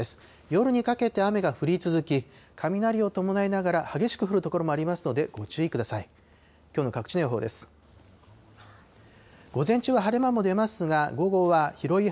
夜にかけて雨が降り続き、雷を伴いながら激しく降る所もありますので、ご注意ください。